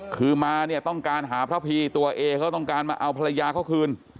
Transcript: คือมาเนี่ยต้องการหาพระพีตัวเอเขาต้องการมาเอาภรรยาเขาคืน